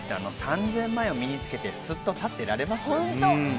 ３０００万円を身につけて、すっと立ってられます。